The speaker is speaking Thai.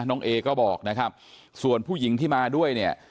น้องเอก็บอกนะครับส่วนผู้หญิงที่มาด้วยเนี่ย